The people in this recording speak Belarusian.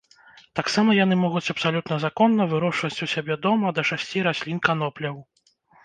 Таксама яны могуць абсалютна законна вырошчваць у сябе дома да шасці раслін канопляў.